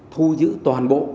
thu giữ toàn bộ